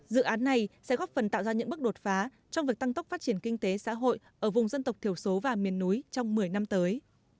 dự án này sẽ góp phần tạo ra những bước đột phá trong việc tăng tốc phát triển kinh tế xã hội ở vùng dân tộc thiểu số và miền núi trong một mươi năm tới